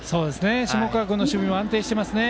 下川君の守備も安定してますね。